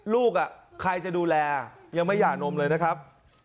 ใครจะดูแลยังไม่หย่านมเลยนะครับ